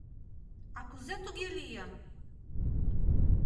— А кузе туге лийын?